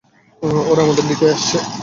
ওরা আমাদের দিকেই আসছে।